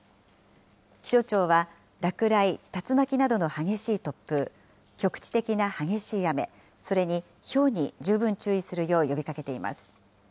気象庁は、落雷、竜巻などの激しい突風、局地的な激しい雨、それにひょうに十分注意するよう呼びかけています。